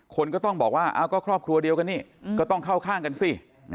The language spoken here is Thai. คนก็ต้องบอกว่าก็ครอบครัวเดียวกันนี่ก็ต้องเข้าข้างกันสิ